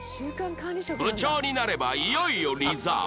部長になればいよいよ「リザーブ」